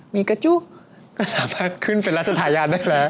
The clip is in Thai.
มีกระจุก็สามารถขึ้นเป็นราชทายาทได้แล้ว